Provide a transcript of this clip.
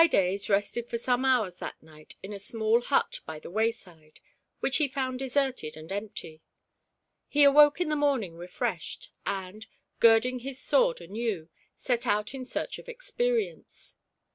[ides rested for some hours that night in a smaU hut by the wayside, which he found deserted and empty. He awoke in the morning re freshed, and, girding on his sword anew, set out in search of Experience.